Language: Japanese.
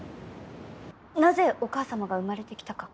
なぜお母様が生まれてきたか。